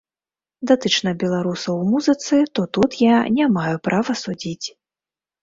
Датычна беларусаў у музыцы, то тут я не маю права судзіць.